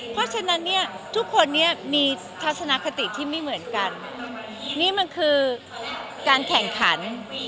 เพราะฉะนั้นเนี่ยทุกคนเนี่ยมีทัศนคติที่ไม่เหมือนกัน